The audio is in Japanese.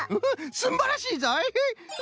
すんばらしいぞい！